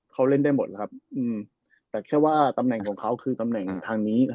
เขาเล่นได้หมดแล้วครับแต่แค่ว่าตำแหน่งของเขาคือตำแหน่งทางนี้